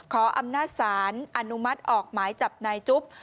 ขออำนาจสารอนุมัติออกหมายจับนายจุ๊บ